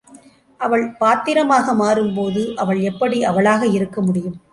அவள் பாத்திரமாக மாறும்போது அவள் எப்படி அவளாக இருக்க முடியும்.